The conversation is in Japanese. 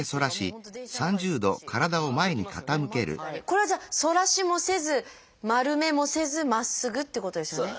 これはじゃあ反らしもせず丸めもせずまっすぐっていうことですよね。